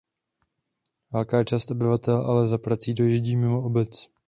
Velká část obyvatel ale za prací dojíždí mimo obec.